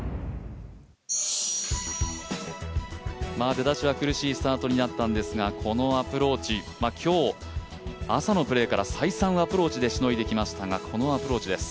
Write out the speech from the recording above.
出だしは苦しいスタートになったんですがこのアプローチ、今日、朝のプレーから、再三アプローチでしたがこのアプローチです。